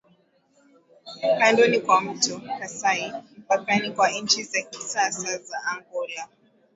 kandoni kwa mto Kasai mpakani kwa nchi za kisasa za Angola